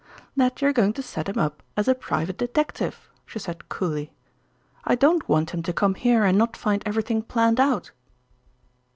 "That you're going to set him up as a private detective," she said coolly. "I don't want him to come here and not find everything planned out."